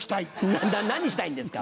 何したいんですか！